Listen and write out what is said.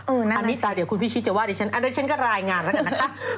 อันนี้เดี๋ยวคุณพิชิตจะว่าดิฉันอันนี้ฉันก็รายงานแล้วกันนะคะ